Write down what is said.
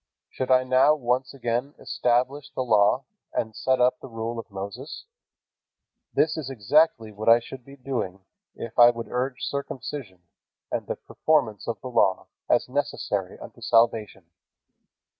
Should I now once again establish the Law, and set up the rule of Moses? This is exactly what I should be doing, if I would urge circumcision and the performance of the Law as necessary unto salvation.